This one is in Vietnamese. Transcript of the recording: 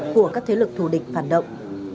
của các thế lực thù địch phản động